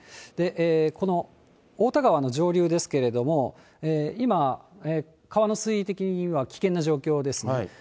この太田川の上流ですけれども、今、川の水位的には危険な状況ですね。